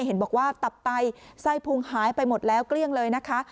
เห็นบอกว่าตับไตไส้พุงหายไปหมดแล้วเกลี้ยงเลยนะคะ